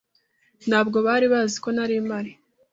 Ntabwo bari bazi ko ntari mpari.